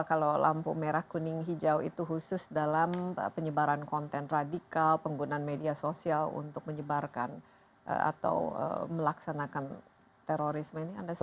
kalau lampu merah kuning hijau itu khusus dalam penyebaran konten radikal penggunaan media sosial untuk menyebarkan atau melaksanakan terorisme ini anda sebutkan